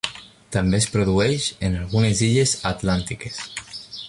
També es produeix en algunes illes atlàntiques.